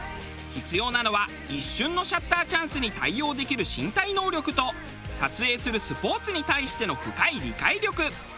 必要なのは一瞬のシャッターチャンスに対応できる身体能力と撮影するスポーツに対しての深い理解力。